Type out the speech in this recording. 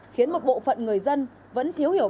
khiến một bộ phận người dân vẫn thiếu hiểu